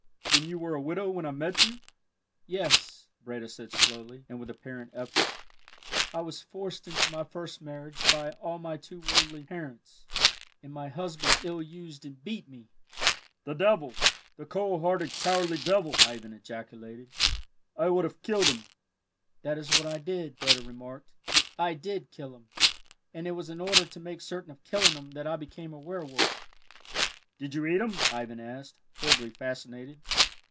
then you were a widow when I met you?" "Yes," Breda said slowly and with apparent effort. "I was forced into my first marriage by my all too worldly parents, and my husband ill used and beat me!" "The devil! the cold hearted, cowardly devil!" Ivan ejaculated, "I would have killed him." "That is what I did," Breda remarked; "I did kill him, and it was in order to make certain of killing him that I became a werwolf." "Did you eat him?" Ivan asked, horribly fascinated.